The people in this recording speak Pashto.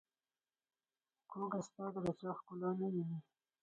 کوږه سترګه د چا ښکلا نه ویني